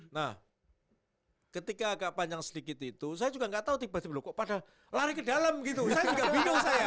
nah ketika agak panjang sedikit itu saya juga nggak tahu tiba tiba kok pada lari ke dalam gitu saya juga bingung saya